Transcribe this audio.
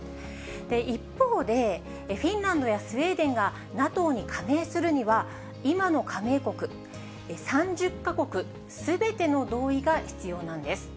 一方で、フィンランドやスウェーデンがＮＡＴＯに加盟するには、今の加盟国、３０か国すべての同意が必要なんです。